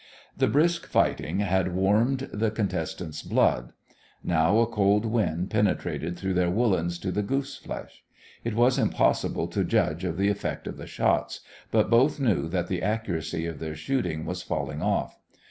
The brisk fighting had warmed the contestants' blood. Now a cold wind penetrated through their woollens to the goose flesh. It was impossible to judge of the effect of the shots, but both knew that the accuracy of their shooting was falling off.